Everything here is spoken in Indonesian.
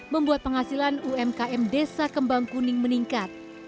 membuat penghasilan umkm desa kembang kuning meningkat